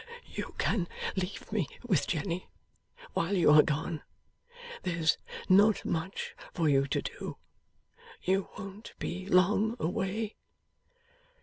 You can leave me with Jenny, while you are gone. There's not much for you to do. You won't be long away.